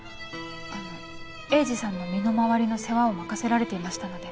あの栄治さんの身の回りの世話を任せられていましたので。